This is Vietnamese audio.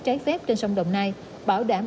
trái phép trên sông đồng nai bảo đảm